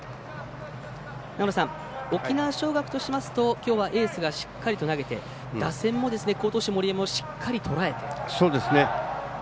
長野さん、沖縄尚学としますときょうはエースがしっかりと投げて打線も好投手、森山をしっかりととらえて。